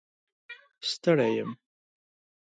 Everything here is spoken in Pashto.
ستړی یم